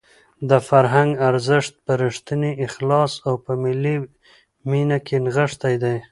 د فرهنګ ارزښت په رښتیني اخلاص او په ملي مینه کې نغښتی دی.